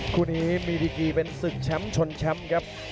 คู่นี้มีดีกีเป็นศึกแชมป์ชนแชมป์ครับ